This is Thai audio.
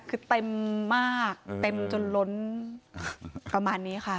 คือเต็มมากเต็มจนล้นประมาณนี้ค่ะ